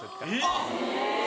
あっ！